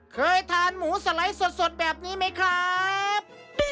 เคยทานหมูสไลด์สดแบบนี้ไหมครับ